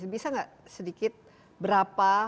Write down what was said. bisa gak sedikit berapa